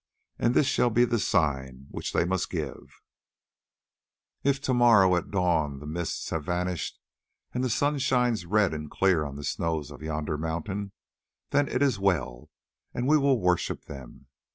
And this shall be the sign which they must give: If to morrow at the dawn the mists have vanished and the sun shines red and clear on the snows of yonder mountain, then it is well and we will worship them.